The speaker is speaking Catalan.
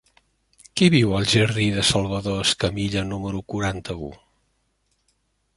Qui viu al jardí de Salvador Escamilla número quaranta-u?